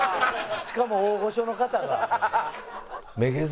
しかも大御所の方が。